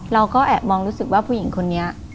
เราก็แอบมองรู้สึกว่าผู้หญิงคนนี้